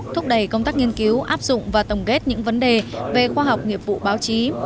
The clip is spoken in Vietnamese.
thúc đẩy công tác nghiên cứu áp dụng và tổng kết những vấn đề về khoa học nghiệp vụ báo chí